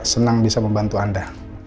senang bisa membantu anda